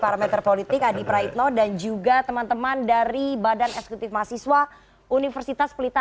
parameter politik adi praitno dan juga teman teman dari badan eksekutif mahasiswa universitas pelita